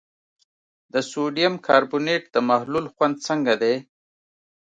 د سوډیم کاربونیټ د محلول خوند څنګه دی؟